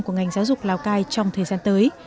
của ngành giáo dục lào cai trong thời gian tới